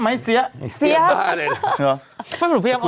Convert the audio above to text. อะไรเสียเสียไหมเสีย